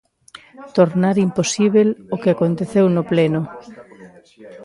Tornar imposíbel o que aconteceu no pleno.